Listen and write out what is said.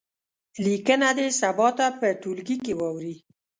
لیکنه دې سبا ته په ټولګي کې واوروي.